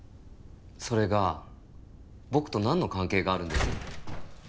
それが僕となんの関係があるんです？